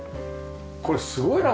これすごいな。